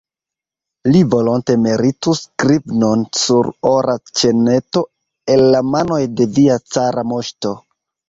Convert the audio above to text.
Li volonte meritus grivnon sur ora ĉeneto el la manoj de via cara moŝto.